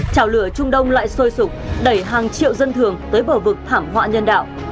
trào lửa trung đông lại sôi sụp đẩy hàng triệu dân thường tới bờ vực thảm họa nhân đạo